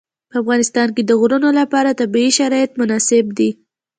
په افغانستان کې د غرونه لپاره طبیعي شرایط مناسب دي.